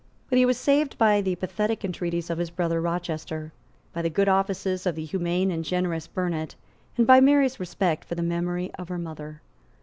But he was saved by the pathetic entreaties of his brother Rochester, by the good offices of the humane and generous Burnet, and by Mary's respect for the memory of her mother.